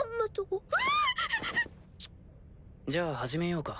じゃあ始めようか。